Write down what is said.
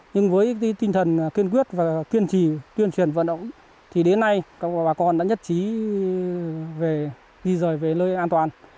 nhưng với tinh thần kiên quyết và kiên trì tuyên truyền vận động thì đến nay bà con đã nhất trí về di rời về nơi an toàn